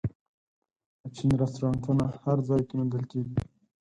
د چین رستورانتونه هر ځای کې موندل کېږي.